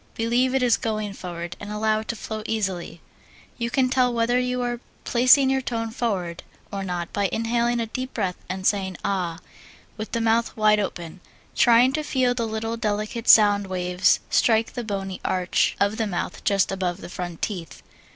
Believe it is going forward, and allow it to flow easily. You can tell whether you are placing your tone forward or not by inhaling a deep breath and singing ah with the mouth wide open, trying to feel the little delicate sound waves strike the bony arch of the mouth just above the front teeth.